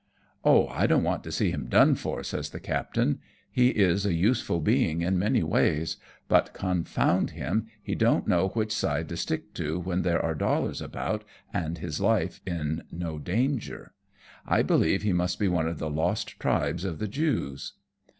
" Oh ! I don't want to see him done for," says the captain ;" he is a useful being in many ways, but, con found him, he don't know which side to stick to when there are^dollars about and his life in no danger. I believe he must be one of the lost tribes of the Jews."